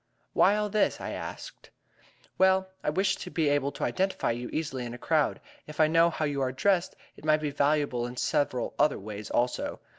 "Why all this?" I asked. "Well, I wish to be able to identify you easily in a crowd. If I know how you are dressed, it might be valuable in several other ways also.